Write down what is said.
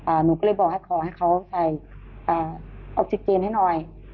หนูก็เลยบอกให้ขอให้เขาใส่อ่าออกซิเจนให้หน่อย